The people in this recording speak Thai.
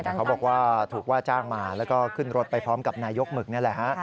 แต่เขาบอกว่าถูกว่าจ้างมาแล้วก็ขึ้นรถไปพร้อมกับนายกหมึกนี่แหละฮะ